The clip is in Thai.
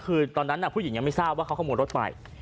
คือตอนนั้นผู้หญิงยังไม่ทราบว่าเขาขโมยรถไป